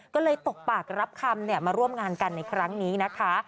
ก็เลยตกปากรับคำมาร่วมงานกันในครั้งนี้นะคะ